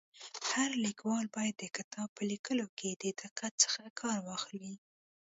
هر لیکوال باید د کتاب په ليکلو کي د دقت څخه کار واخلي.